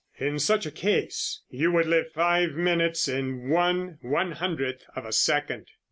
In such a case you would live five minutes in one one hundredth of a second."